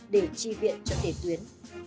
để trì viện cho thể tuyến